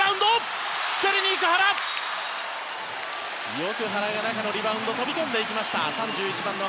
よく原が中のリバウンドに飛び込んでいきました。